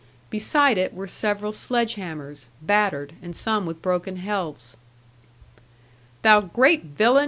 Beside it were several sledge hammers, battered, and some with broken helves. 'Thou great villain!'